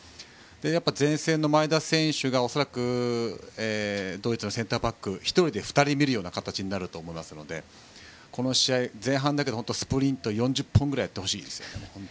前線の前田選手が恐らくドイツのセンターバックを１人で２人見るような形になると思いますのでこの試合、前半だけでスプリント４０本ぐらいやってほしいです。